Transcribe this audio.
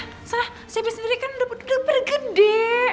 eh salah siapin sendiri kan udah bergede